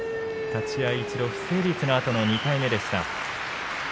立ち合い一度、不成立のあとの２回目でした。